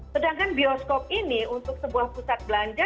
sedangkan bioskop ini untuk sebuah pusat belanja